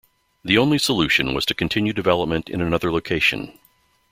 The only solution was to continue development in another location.